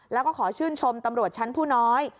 แล้วก็ขอชื่นชมตำรวจชั้นผู้น้อย